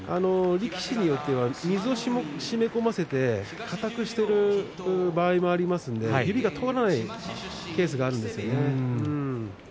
力士によっては水をしみ込ませている場合がありますのでかたくしている場合がありますので指が通らないケースもあるんですよね。